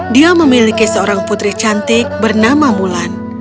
dia memiliki seorang putri cantik bernama mulan